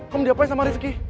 kamu diapain sama rifki